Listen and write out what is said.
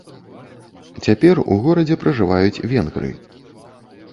Цяпер у горадзе пражываюць венгры.